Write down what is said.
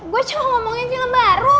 gue cuma ngomongin film baru